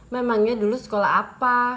memangnya dulu sekolah apa